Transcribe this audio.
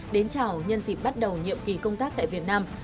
đến chào nhân dịp bắt đầu nhiệm kỳ công tác tại việt nam